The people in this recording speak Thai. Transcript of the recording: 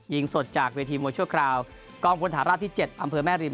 ยิงสดจากเวทีมวยชั่วคราวกองพลฐานราบที่๗อำเภอแม่ริม